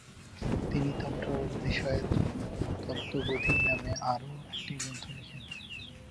তিনি তন্ত্র বিষয়ে "তত্ত্ববোধিনী" নামে আরও একটি গ্রন্থ লেখেন।